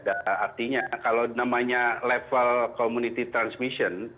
artinya kalau namanya level community transmission